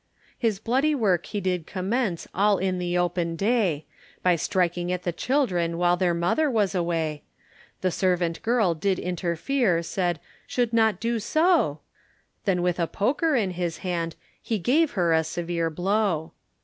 His bloody work he did commence all in the open day, By striking at the children while their mother was away, The servant girl did interfere, said, "should not do so," Then with a poker in his hand he gave her a severe blow.